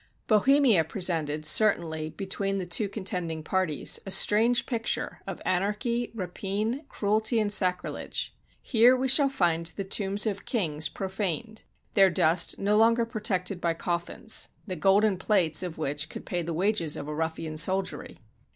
Bohemia presented, certainly, between the two con tending parties, a strange picture of anarchy, rapine, cruelty, and sacrilege. Here we shall find the tombs of kings profaned, their dust no longer protected by coffins, the golden plates of which could pay the wages of a ruflfian soldiery.